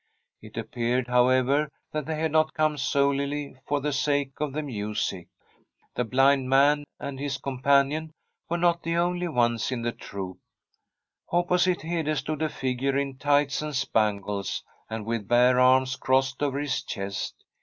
It ap i>eared, however, that they had not come solely or the sake of the music. The blind man and his companion were not the only ones in the troupe. Opposite Hede stood a figure in tights and spangles, and with bare arms crossed over his cncst.